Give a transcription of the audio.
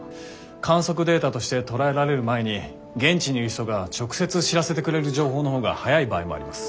観測データとして捉えられる前に現地にいる人が直接知らせてくれる情報の方が早い場合もあります。